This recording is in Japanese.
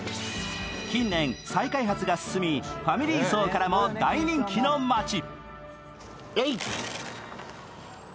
近年、再開発が進み、ファミリー層からも大人気の町。